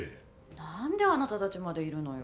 なんであなたたちまでいるのよ。